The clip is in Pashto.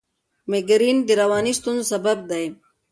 مېګرین د رواني ستونزو سبب دی.